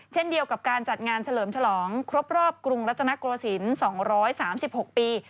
เช่นเดียวกับการจัดงานเฉลิมฉลองครบรอบกรุงรัตนโกศิลป์๒๓๖ปี